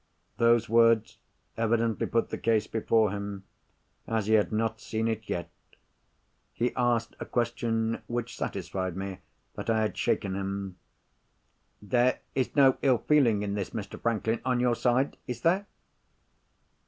Those words evidently put the case before him, as he had not seen it yet. He asked a question which satisfied me that I had shaken him. "There is no ill feeling in this, Mr. Franklin, on your side—is there?"